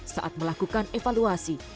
saat melakukan evaluasi